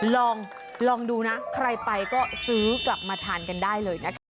ลองดูนะใครไปก็ซื้อกลับมาทานกันได้เลยนะคะ